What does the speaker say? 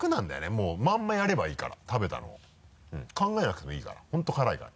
もうまんまやればいいから食べたのを考えなくてもいいから本当に辛いから。